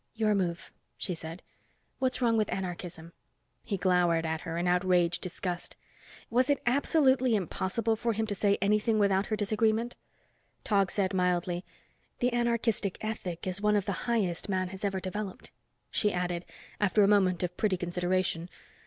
"Your move," she said. "What's wrong with anarchism?" He glowered at her, in outraged disgust. Was it absolutely impossible for him to say anything without her disagreement? Tog said mildly, "The anarchistic ethic is one of the highest man has ever developed." She added, after a moment of pretty consideration.